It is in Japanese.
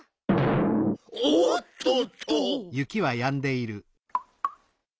おっとっと。